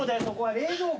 冷蔵庫。